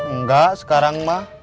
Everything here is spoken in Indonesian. enggak sekarang mah